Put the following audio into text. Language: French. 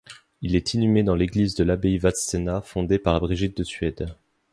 Il est inhumé dans l'église de l'abbaye Vadstena fondée par Brigitte de Suède.